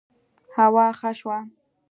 هوا ښه شوه